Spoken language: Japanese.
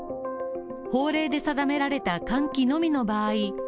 法令で定められた換気のみの場合